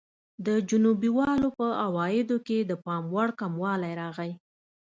د جنوبي والو په عوایدو کې د پاموړ کموالی راغی.